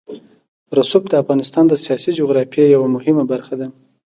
رسوب د افغانستان د سیاسي جغرافیه یوه مهمه برخه ده.